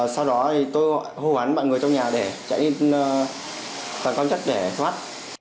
sau đó tôi hô hắn mọi người trong nhà để chạy lên tầng cao nhất